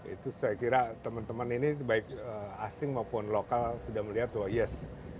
itu saya kira teman teman ini baik asing maupun lokal sudah melihat bahwa yes